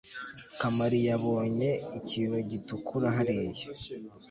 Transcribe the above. kamariyabonye ikintu gitukura hariya